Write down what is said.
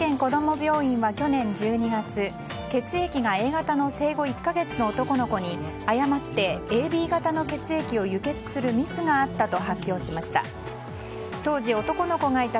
病院は去年１２月血液がＡ型の生後１か月の男の子に誤ってＡＢ型の血液を輸血するミスがあったと発表しました。